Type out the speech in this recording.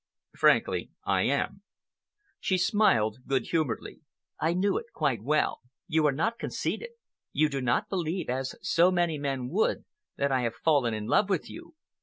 "Frankly, I am." She smiled good humoredly. "I knew it quite well. You are not conceited. You do not believe, as so many men would, that I have fallen in love with you.